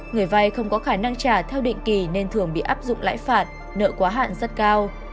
người vay không có khả năng trả theo định kỳ nên thường bị áp dụng lãi phạt nợ quá hạn rất cao